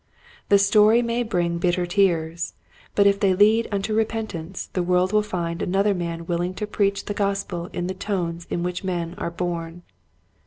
The story may bring bitter tears, but if they lead unto repentance the world will find another man willing to preach the Gospel in the tones in which men are born.